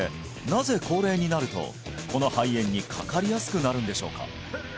なぜ高齢になるとこの肺炎にかかりやすくなるんでしょうか？